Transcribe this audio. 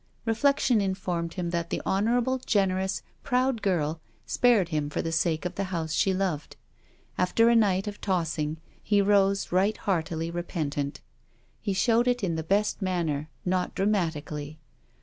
Reflection informed him that the honourable, generous, proud girl spared him for the sake of the house she loved. After a night of tossing, he rose right heartily repentant. He showed it in the best manner, not dramatically.